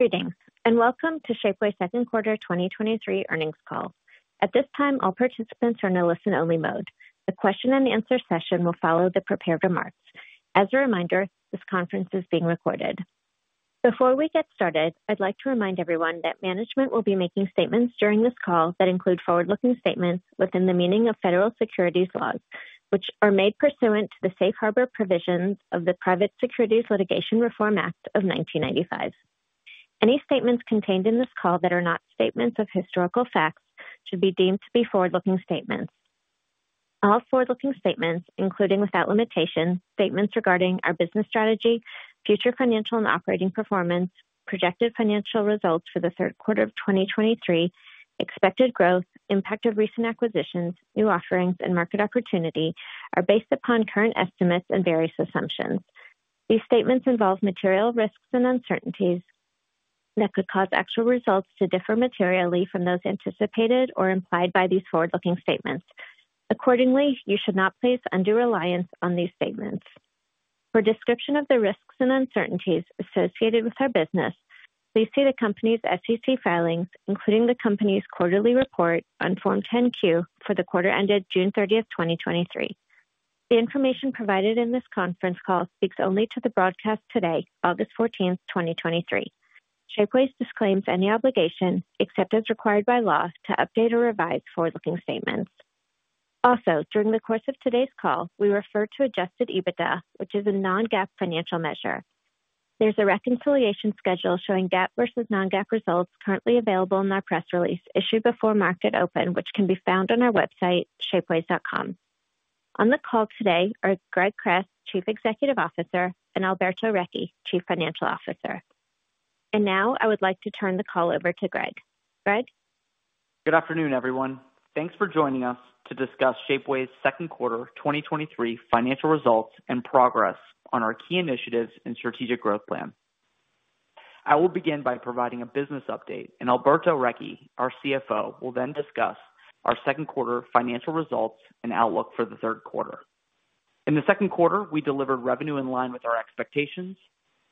Greetings, welcome to Shapeways Q2 2023 Earnings Call. At this time, all participants are in a listen-only mode. The question and answer session will follow the prepared remarks. As a reminder, this conference is being recorded. Before we get started, I'd like to remind everyone that management will be making statements during this call that include forward-looking statements within the meaning of federal securities laws, which are made pursuant to the Safe Harbor provisions of the Private Securities Litigation Reform Act of 1995. Any statements contained in this call that are not statements of historical facts should be deemed to be forward-looking statements. All forward-looking statements, including without limitation, statements regarding our business strategy, future financial and operating performance, projected financial results for the Q3 of 2023, expected growth, impact of recent acquisitions, new offerings, and market opportunity, are based upon current estimates and various assumptions. These statements involve material risks and uncertainties that could cause actual results to differ materially from those anticipated or implied by these forward-looking statements. Accordingly, you should not place undue reliance on these statements. For description of the risks and uncertainties associated with our business, please see the company's SEC filings, including the company's quarterly report on Form 10-Q for the quarter ended June 30th, 2023. The information provided in this conference call speaks only to the broadcast today, August 14th, 2023. Shapeways disclaims any obligation, except as required by law, to update or revise forward-looking statements. Also, during the course of today's call, we refer to adjusted EBITDA, which is a non-GAAP financial measure. There's a reconciliation schedule showing GAAP versus non-GAAP results currently available in our press release, issued before market open, which can be found on our website, shapeways.com. On the call today are Greg Kress, Chief Executive Officer, and Alberto Recchi, Chief Financial Officer. Now I would like to turn the call over to Greg. Greg? Good afternoon, everyone. Thanks for joining us to discuss Shapeways' Q2 2023 financial results and progress on our key initiatives and strategic growth plan. I will begin by providing a business update, Alberto Recchi, our CFO, will then discuss our Q2 financial results and outlook for the Q3. In the Q2, we delivered revenue in line with our expectations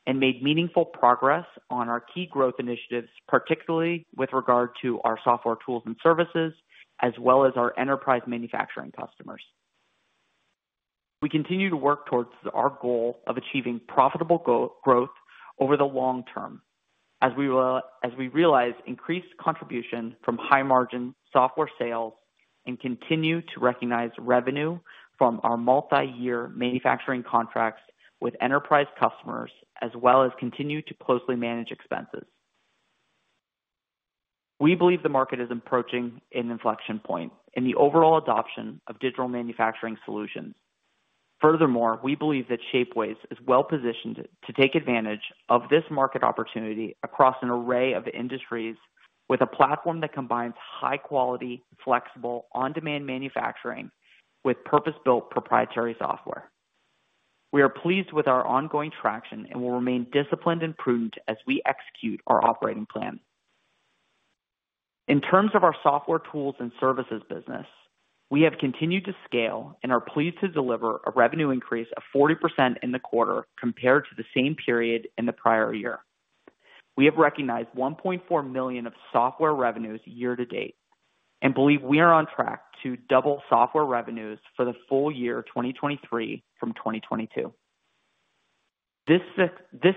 and made meaningful progress on our key growth initiatives, particularly with regard to our software tools and services, as well as our enterprise manufacturing customers. We continue to work towards our goal of achieving profitable growth over the long term as we realize increased contribution from high-margin software sales and continue to recognize revenue from our multiyear manufacturing contracts with enterprise customers, as well as continue to closely manage expenses. We believe the market is approaching an inflection point in the overall adoption of digital manufacturing solutions. Furthermore, we believe that Shapeways is well-positioned to take advantage of this market opportunity across an array of industries, with a platform that combines high quality, flexible, on-demand manufacturing with purpose-built proprietary software. We are pleased with our ongoing traction and will remain disciplined and prudent as we execute our operating plan. In terms of our software tools and services business, we have continued to scale and are pleased to deliver a revenue increase of 40% in the quarter compared to the same period in the prior year. We have recognized $1.4 million of software revenues year to date, and believe we are on track to double software revenues for the full year 2023 from 2022. This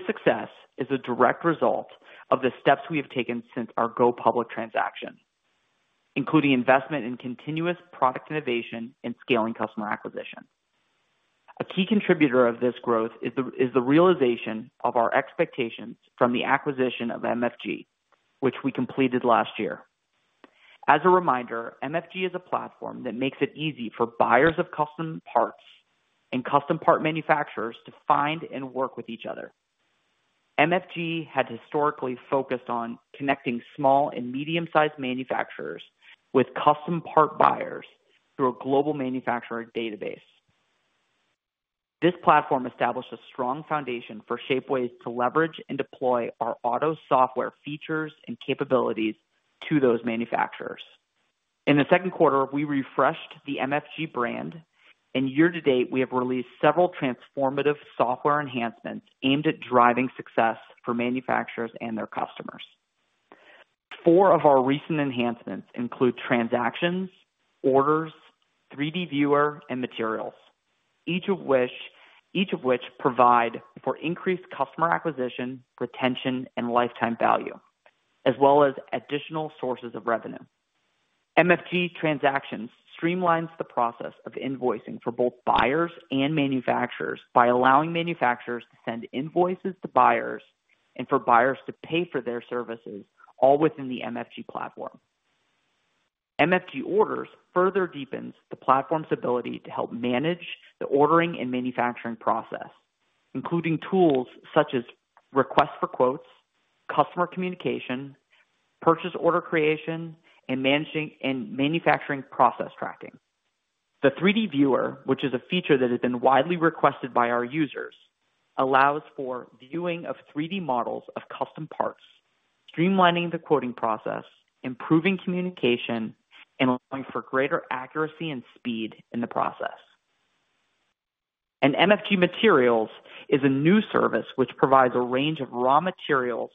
success is a direct result of the steps we have taken since our go-public transaction, including investment in continuous product innovation and scaling customer acquisition. A key contributor of this growth is the realization of our expectations from the acquisition of MFG, which we completed last year. As a reminder, MFG is a platform that makes it easy for buyers of custom parts and custom part manufacturers to find and work with each other. MFG had historically focused on connecting small and medium-sized manufacturers with custom part buyers through a global manufacturer database. This platform established a strong foundation for Shapeways to leverage and deploy our auto software features and capabilities to those manufacturers. In the Q2, we refreshed the MFG brand, and year to date, we have released several transformative software enhancements aimed at driving success for manufacturers and their customers. Four of our recent enhancements include Transactions, Orders, 3D Viewer, and Materials, each of which provide for increased customer acquisition, retention, and lifetime value, as well as additional sources of revenue. MFG Transactions streamlines the process of invoicing for both buyers and manufacturers by allowing manufacturers to send invoices to buyers and for buyers to pay for their services, all within the MFG platform. MFG Orders further deepens the platform's ability to help manage the ordering and manufacturing process, including tools such as request for quotes, customer communication, purchase order creation, and manufacturing process tracking. The 3D Model Viewer, which is a feature that has been widely requested by our users, allows for viewing of 3D models of custom parts, streamlining the quoting process, improving communication, and allowing for greater accuracy and speed in the process.... MFG Materials is a new service which provides a range of raw materials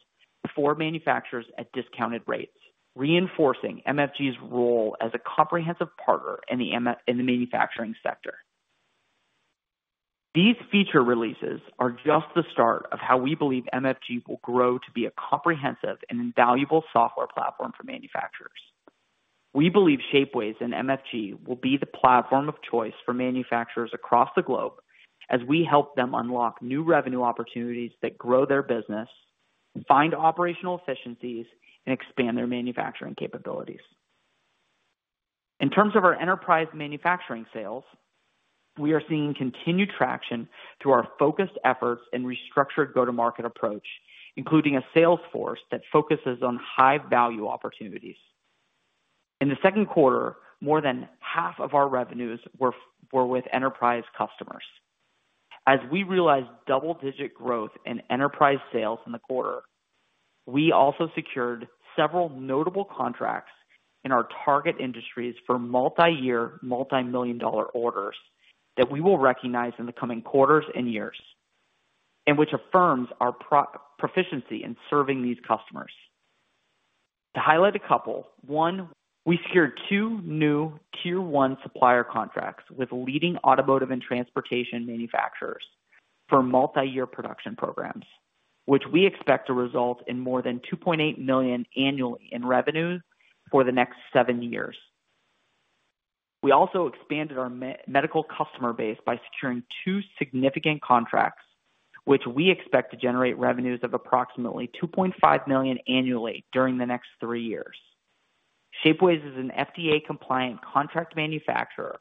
for manufacturers at discounted rates, reinforcing MFG's role as a comprehensive partner in the manufacturing sector. These feature releases are just the start of how we believe MFG will grow to be a comprehensive and invaluable software platform for manufacturers. We believe Shapeways and MFG will be the platform of choice for manufacturers across the globe as we help them unlock new revenue opportunities that grow their business, find operational efficiencies, and expand their manufacturing capabilities. In terms of our enterprise manufacturing sales, we are seeing continued traction through our focused efforts and restructured go-to-market approach, including a sales force that focuses on high-value opportunities. In the Q2, more than half of our revenues were with enterprise customers. As we realized double-digit growth in enterprise sales in the quarter, we also secured several notable contracts in our target industries for multi-year, multi-million dollar orders that we will recognize in the coming quarters and years, which affirms our proficiency in serving these customers. To highlight a couple, we secured 2 new tier one supplier contracts with leading automotive and transportation manufacturers for multi-year production programs, which we expect to result in more than $2.8 million annually in revenues for the next 7 years. We also expanded our medical customer base by securing 2 significant contracts, which we expect to generate revenues of approximately $2.5 million annually during the next 3 years. Shapeways is an FDA-compliant contract manufacturer,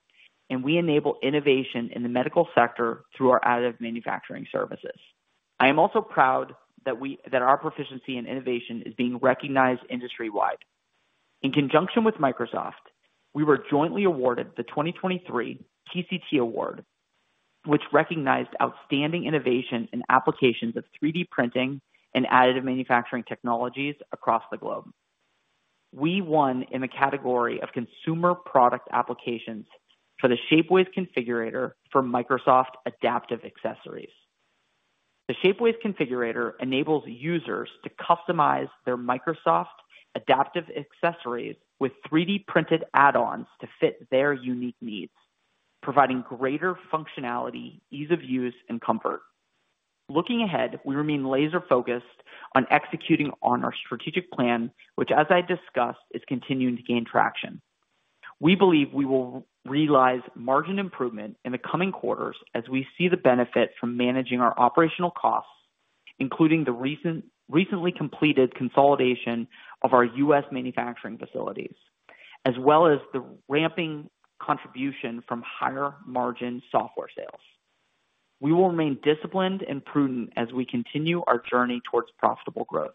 we enable innovation in the medical sector through our additive manufacturing services. I am also proud that our proficiency and innovation is being recognized industry-wide. In conjunction with Microsoft, we were jointly awarded the 2023 TCT Award, which recognized outstanding innovation in applications of 3D printing and additive manufacturing technologies across the globe. We won in the category of consumer product applications for the Shapeways Configurator for Microsoft Adaptive Accessories. The Shapeways Configurator enables users to customize their Microsoft Adaptive Accessories with 3D printed add-ons to fit their unique needs, providing greater functionality, ease of use, and comfort. Looking ahead, we remain laser-focused on executing on our strategic plan, which, as I discussed, is continuing to gain traction. We believe we will realize margin improvement in the coming quarters as we see the benefit from managing our operational costs, including the recently completed consolidation of our US manufacturing facilities, as well as the ramping contribution from higher margin software sales. We will remain disciplined and prudent as we continue our journey towards profitable growth.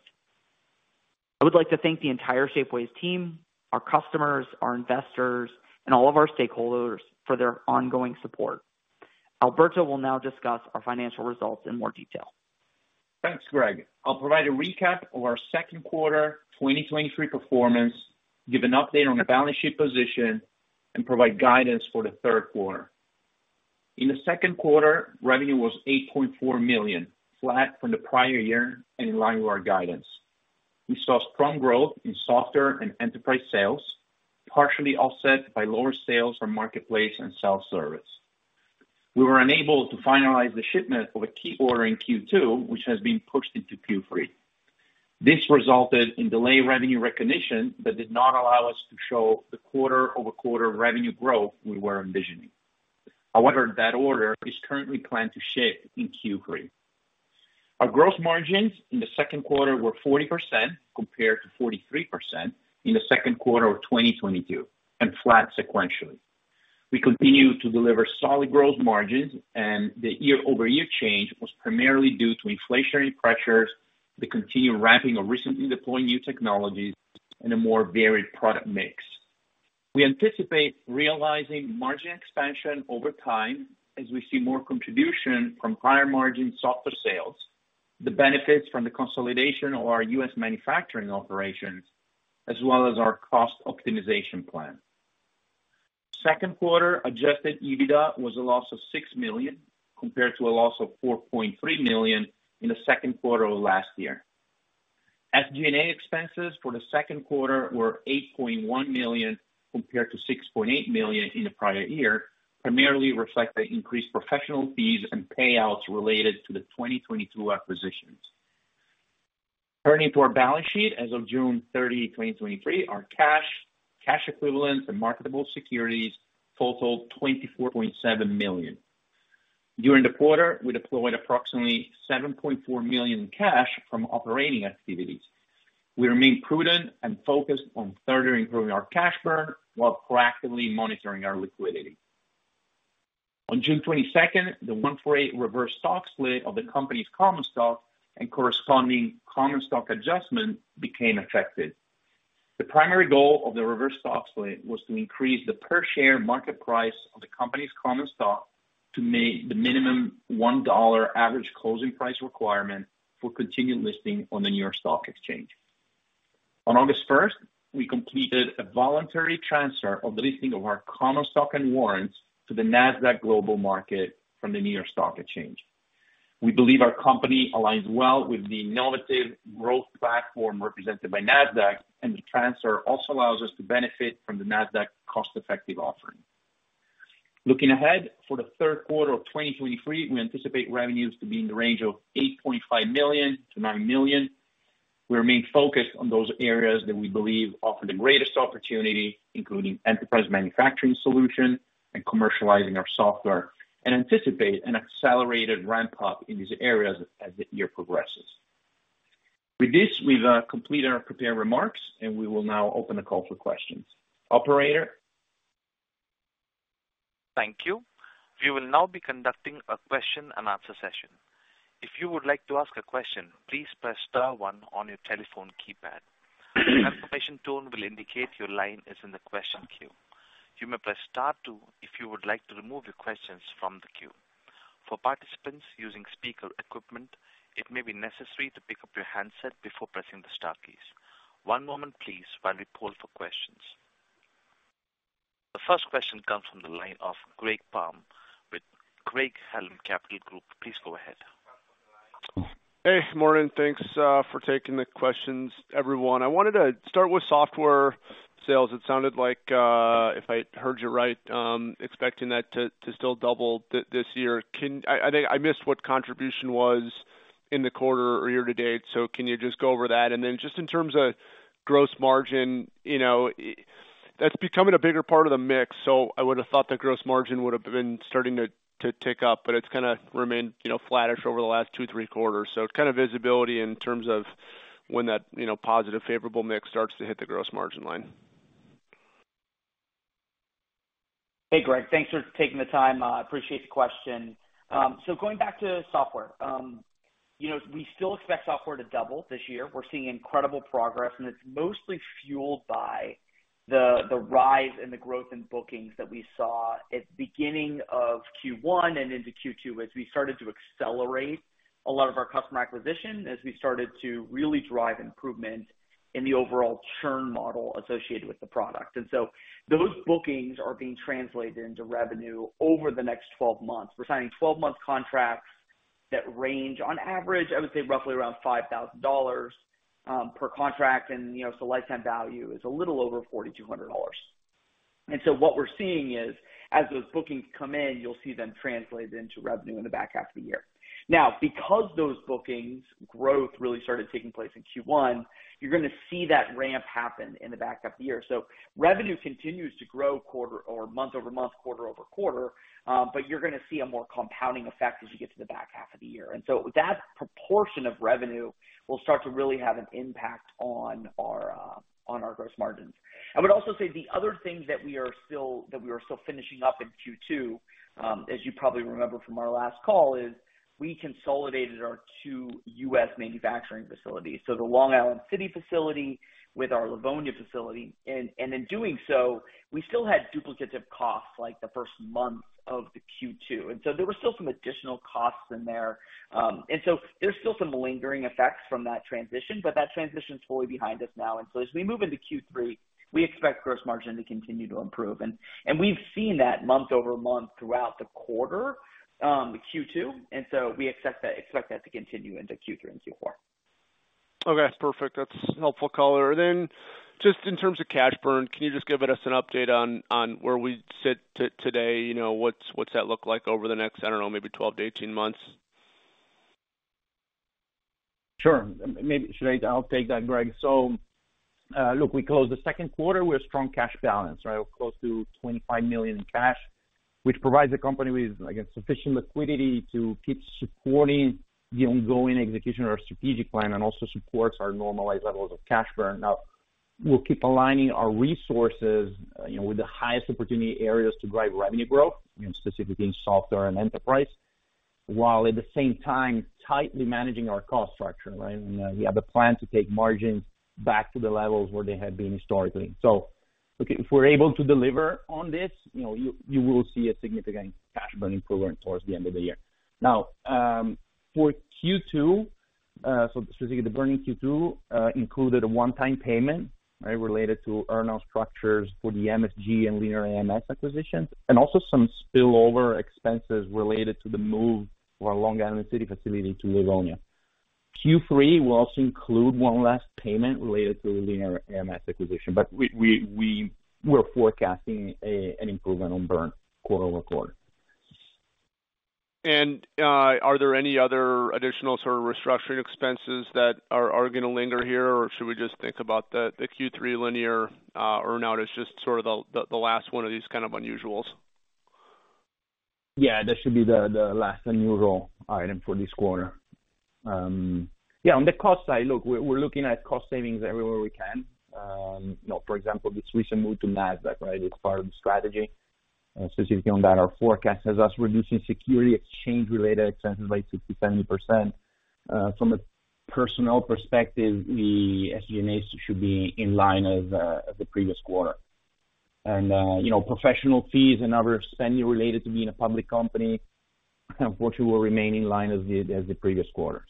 I would like to thank the entire Shapeways team, our customers, our investors, and all of our stakeholders for their ongoing support. Alberto will now discuss our financial results in more detail. Thanks, Greg. I'll provide a recap of our Q2 2023 performance, give an update on the balance sheet position, and provide guidance for the Q3. In the Q2, revenue was $8.4 million, flat from the prior year and in line with our guidance. We saw strong growth in software and enterprise sales, partially offset by lower sales from marketplace and self-service. We were unable to finalize the shipment of a key order in Q2, which has been pushed into Q3. This resulted in delayed revenue recognition that did not allow us to show the quarter-over-quarter revenue growth we were envisioning. However, that order is currently planned to ship in Q3. Our growth margins in the Q2 were 40%, compared to 43% in the Q2 of 2022, and flat sequentially. We continue to deliver solid growth margins, and the year-over-year change was primarily due to inflationary pressures, the continued ramping of recently deploying new technologies, and a more varied product mix. We anticipate realizing margin expansion over time as we see more contribution from higher-margin software sales, the benefits from the consolidation of our US manufacturing operations, as well as our cost optimization plan. Second quarter adjusted EBITDA was a loss of $6 million, compared to a loss of $4.3 million in the Q2 of last year. SG&A expenses for the Q2 were $8.1 million, compared to $6.8 million in the prior year, primarily reflect the increased professional fees and payouts related to the 2022 acquisitions. Turning to our balance sheet, as of June 30, 2023, our cash, cash equivalents and marketable securities totaled $24.7 million. During the quarter, we deployed approximately $7.4 million in cash from operating activities. We remain prudent and focused on further improving our cash burn while proactively monitoring our liquidity. On June 22, the 1-for-8 reverse stock split of the company's common stock and corresponding common stock adjustment became effective. The primary goal of the reverse stock split was to increase the per share market price of the company's common stock to meet the minimum $1 average closing price requirement for continued listing on the New York Stock Exchange. On August 1, we completed a voluntary transfer of the listing of our common stock and warrants to the Nasdaq Global Market from the New York Stock Exchange. We believe our company aligns well with the innovative growth platform represented by Nasdaq, and the transfer also allows us to benefit from the Nasdaq cost-effective offering. Looking ahead for the Q3 of 2023, we anticipate revenues to be in the range of $8.5 million-$9 million. We remain focused on those areas that we believe offer the greatest opportunity, including enterprise manufacturing solution and commercializing our software, and anticipate an accelerated ramp-up in these areas as the year progresses. With this, we've completed our prepared remarks, and we will now open the call for questions. Operator? Thank you. We will now be conducting a question-and-answer session. If you would like to ask a question, please press star one on your telephone keypad. A confirmation tone will indicate your line is in the question queue. You may press star two if you would like to remove your questions from the queue. For participants using speaker equipment, it may be necessary to pick up your handset before pressing the star keys. One moment please while we poll for questions. The first question comes from the line of Greg Palm with Craig-Hallum Capital Group. Please go ahead. Hey, good morning. Thanks for taking the questions, everyone. I wanted to start with software sales. It sounded like, if I heard you right, expecting that to, to still double this year. I think I missed what contribution was in the quarter or year to date, so can you just go over that? Then just in terms of gross margin, you know, that's becoming a bigger part of the mix, so I would have thought the gross margin would have been starting to, to tick up, but it's kinda remained, you know, flattish over the last 2, 3 quarters. So kind of visibility in terms of when that, you know, positive, favorable mix starts to hit the gross margin line. Hey, Greg, thanks for taking the time. I appreciate the question. Going back to software, we still expect software to double this year. We're seeing incredible progress, and it's mostly fueled by the rise in the growth in bookings that we saw at the beginning of Q1 and into Q2, as we started to accelerate a lot of our customer acquisition, as we started to really drive improvement in the overall churn model associated with the product. Those bookings are being translated into revenue over the next 12 months. We're signing 12-month contracts that range, on average, I would say roughly around $5,000 per contract, and so lifetime value is a little over $4,200. What we're seeing is, as those bookings come in, you'll see them translated into revenue in the back half of the year. Now, because those bookings growth really started taking place in Q1, you're gonna see that ramp happen in the back half of the year. Revenue continues to grow quarter or month-over-month, quarter-over-quarter, but you're gonna see a more compounding effect as you get to the back half of the year. That proportion of revenue will start to really have an impact on our gross margins. I would also say the other thing that we are still, that we are still finishing up in Q2, as you probably remember from our last call, is we consolidated our two US manufacturing facilities, so the Long Island City facility with our Livonia facility. In doing so, we still had duplicates of costs, like the first month of the Q2. So there were still some additional costs in there. So there's still some lingering effects from that transition, but that transition is fully behind us now. So as we move into Q3, we expect gross margin to continue to improve. We've seen that month-over-month throughout the quarter, Q2, and so we expect that to continue into Q3 and Q4. Okay, perfect. That's helpful color. Then just in terms of cash burn, can you just give us an update on, on where we sit today? You know, what's that look like over the next, I don't know, maybe 12 to 18 months? Sure. Maybe, should I... I'll take that, Greg. Look, we closed the Q2 with strong cash balance, right? Of close to $25 million in cash, which provides the company with, again, sufficient liquidity to keep supporting the ongoing execution of our strategic plan and also supports our normalized levels of cash burn. Now, we'll keep aligning our resources, you know, with the highest opportunity areas to drive revenue growth, specifically in software and enterprise, while at the same time tightly managing our cost structure, right? We have a plan to take margins back to the levels where they had been historically. Look, if we're able to deliver on this, you know, you, you will see a significant cash burn improvement towards the end of the year. Now, for Q2, specifically, the burn in Q2 included a one-time payment, right, related to earnout structures for the MFG and Linear AMS acquisitions, and also some spillover expenses related to the move of our Long Island City facility to Livonia. Q3 will also include one last payment related to the Linear AMS acquisition, we're forecasting an improvement on burn quarter-over-quarter. Are there any other additional sort of restructuring expenses that are gonna linger here? Should we just think about the Q3 Linear earnout as just sort of the last one of these kind of unusuals? Yeah, that should be the, the last unusual item for this quarter. Yeah, on the cost side, look, we're, we're looking at cost savings everywhere we can. You know, for example, the switch and move to Nasdaq, right? It's part of the strategy. Specifically, on that, our forecast has us reducing security exchange-related expenses by 60%-70%. From a personnel perspective, the SG&A should be in line with the previous quarter.... You know, professional fees and other spending related to being a public company, unfortunately, will remain in line as the, as the previous quarters.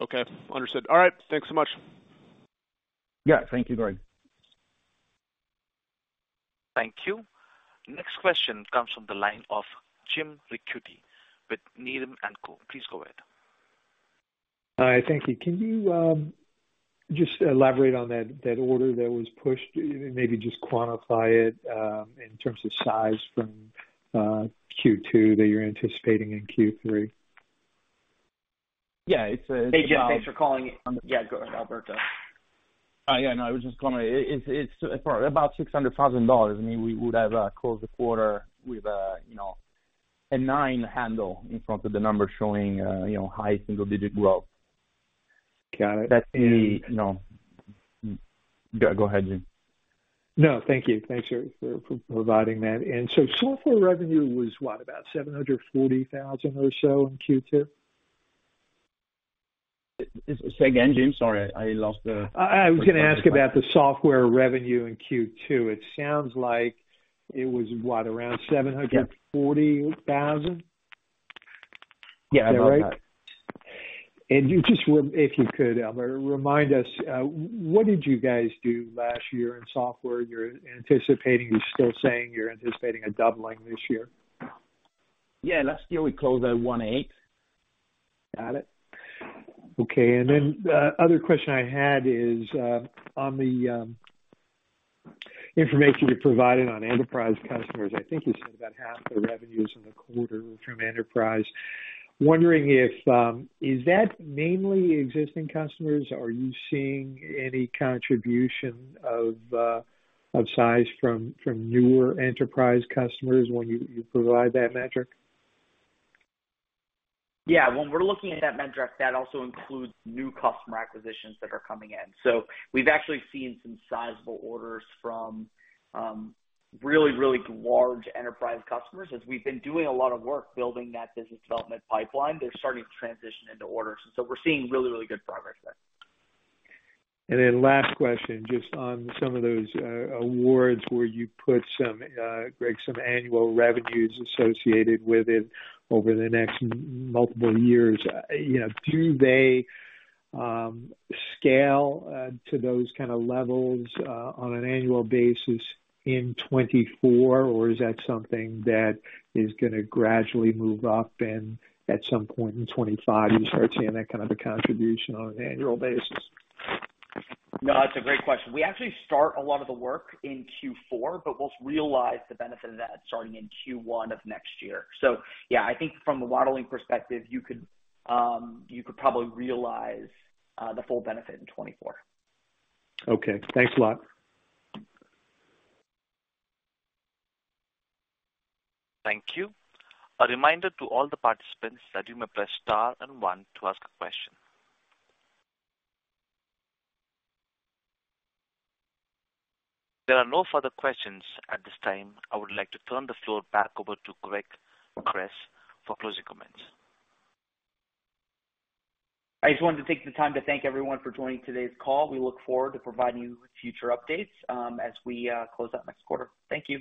Okay, understood. All right, thanks so much. Yeah, thank you, Greg. Thank you. Next question comes from the line of Jim Ricchiuti with Needham & Company. Please go ahead. Hi, thank you. Can you just elaborate on that, that order that was pushed, maybe just quantify it in terms of size from Q2 that you're anticipating in Q3? Yeah, it's. Hey, Jim, thanks for calling. Yeah, go ahead, Alberto. Oh, yeah, no, it's for about $600,000. We would have closed the quarter with, you know, a nine handle in front of the number showing, you know, high single-digit growth. Got it. That's the, you know. Go, go ahead, Jim. No, thank you. Thanks for, for, for providing that. Software revenue was, what? About $740,000 or so in Q2? Say again, Jim, sorry, I lost. I was gonna ask about the software revenue in Q2. It sounds like it was, what? Around $740,000. Yeah, about that. Is that right? You just re- if you could, Alberto, remind us, what did you guys do last year in software? You're anticipating, you're still saying you're anticipating a doubling this year. Yeah, last year we closed at $1.8. Got it. Okay, the other question I had is on the information you provided on enterprise customers. I think you said about half the revenues in the quarter were from enterprise. Wondering if that mainly existing customers, or are you seeing any contribution of size from newer enterprise customers when you provide that metric? Yeah, when we're looking at that metric, that also includes new customer acquisitions that are coming in. We've actually seen some sizable orders from really, really large enterprise customers. As we've been doing a lot of work building that business development pipeline, they're starting to transition into orders, we're seeing really, really good progress there. Then last question, just on some of those awards where you put some, Greg, some annual revenues associated with it over the next multiple years. you know, do they scale to those kind of levels on an annual basis in 2024, or is that something that is gonna gradually move up and at some point in 2025, you start seeing that kind of a contribution on an annual basis? No, it's a great question. We actually start a lot of the work in Q4, but we'll realize the benefit of that starting in Q1 of next year. Yeah, I think from a modeling perspective, you could, you could probably realize the full benefit in 2024. Okay, thanks a lot. Thank you. A reminder to all the participants that you may press Star and One to ask a question. There are no further questions at this time. I would like to turn the floor back over to Greg Kress for closing comments. I just wanted to take the time to thank everyone for joining today's call. We look forward to providing you with future updates, as we close out next quarter. Thank you.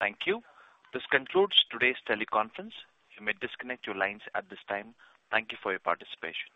Thank you. This concludes today's teleconference. You may disconnect your lines at this time. Thank you for your participation.